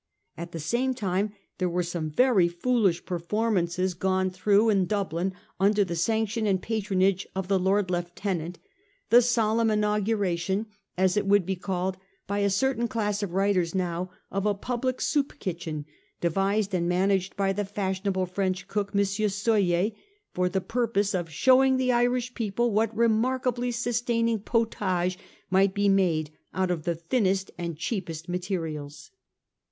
At the same time there were some very foolish performances gone through in 1845 — 6 * GOVERNMENT DEVICES*. 421 Dublin under the sanction and patronage of the Lord Lieutenant ; the solemn 1 inauguration,' as it ■would be called by a certain class of writers now, of a public soup kitchen, devised and managed by the fashion able French cook M. Soyer, for the purpose of show ing the Irish people what remarkably sustaining potage m i ght be made out of the thinnest and cheapest materials.